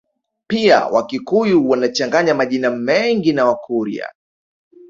Pia Wakikuyu wanachanganya majina mengi na Wakurya